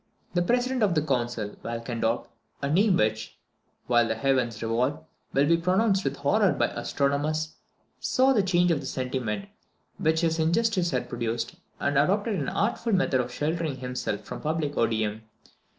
The President of the Council, Walchendorp a name which, while the heavens revolve, will be pronounced with horror by astronomers saw the change of sentiment which his injustice had produced, and adopted an artful method of sheltering himself from public odium.